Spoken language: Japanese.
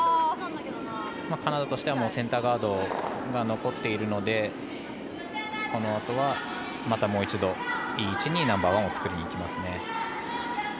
カナダとしてはセンターガードが残っているのでこのあとは、またもう一度いい位置にナンバーワンを作りにいきますね。